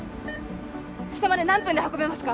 下まで何分で運べますか？